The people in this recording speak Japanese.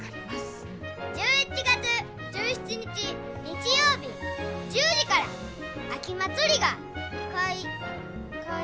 １１月１７日日曜日１０時から秋まつりがかいかい。